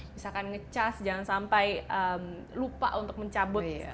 misalkan ngecas jangan sampai lupa untuk mencabut sampai kabel ya